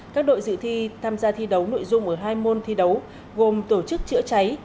các đội dự thi tham gia thi đấu nội dung ở hai môn thi đấu gồm tổ chức chữa cháy